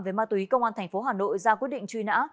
về ma túy công an tp hà nội ra quyết định truy nã